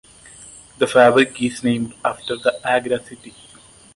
The fabric is named after the Agra city.